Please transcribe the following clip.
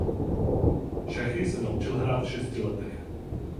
Šachy se naučil hrát v šesti letech.